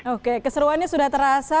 oke keseruannya sudah terasa